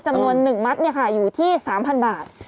จำนวน๑มัตต์เนี่ยค่ะอยู่ที่๓๐๐๐บาท